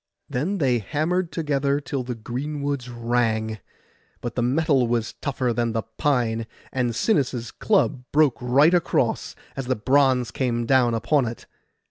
Then they hammered together till the greenwoods rang; but the metal was tougher than the pine, and Sinis' club broke right across, as the bronze came down upon it.